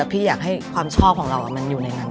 พี่อยากให้ความชอบของเรามันอยู่ในนั้น